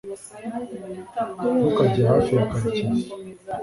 ntukajye hafi ya karekezi